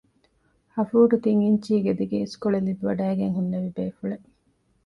ހަ ފޫޓު ތިން އިންޗީގެ ދިގު އިސްކޮޅެއް ލިބިވަޑައިގެން ހުންނެވި ބޭފުޅެއް